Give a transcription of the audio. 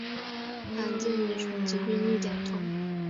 罕见遗传疾病一点通